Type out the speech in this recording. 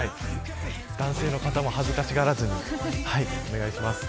男性の方も恥ずかしがらずにお願いします。